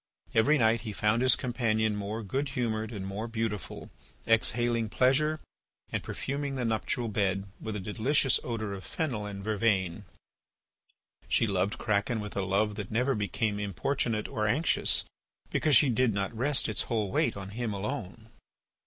Every night he found his companion more good humoured and more beautiful, exhaling pleasure and perfuming the nuptial bed with a delicious odour of fennel and vervain. She loved Kraken with a love that never became importunate or anxious, because she did not rest its whole weight on him alone.